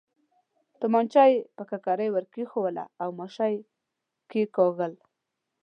تومانچه یې پر ککرۍ ور کېښووله او ماشه یې کېکاږل.